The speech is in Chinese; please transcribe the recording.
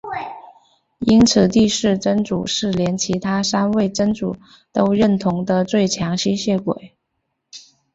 因此第四真祖是连其他三位真祖都认同的最强吸血鬼。